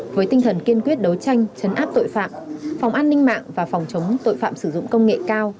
với tinh thần kiên quyết đấu tranh chấn áp tội phạm phòng an ninh mạng và phòng chống tội phạm sử dụng công nghệ cao